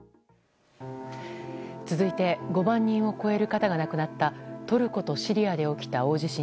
続いて５万人を超える方が亡くなったトルコとシリアで起きた大地震。